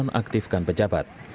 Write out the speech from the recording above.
dengan menonaktifkan pejabat